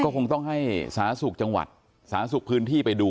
ก็คงต้องให้สหรัฐสุขจังหวัดสหรัฐสุขพื้นที่ไปดู